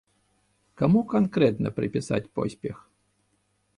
Каму канкрэтна прыпісаць поспех?